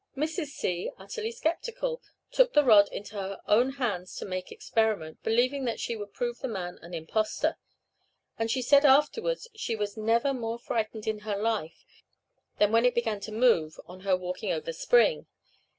Mrs. C , utterly sceptical, took the rod into her own hands to make experiment, believing that she would prove the man an impostor; and she said afterwards she was never more frightened in her life than when it began to move, on her walking over the spring.